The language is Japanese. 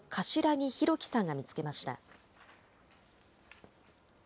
木弘樹さんが見つけました。